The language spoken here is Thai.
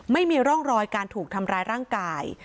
ไม่มีร่องรอยการถูกทำร้ายร่างกาย